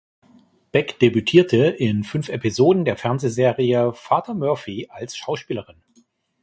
Beck debütierte in fünf Episoden der Fernsehserie "Vater Murphy" als Schauspielerin.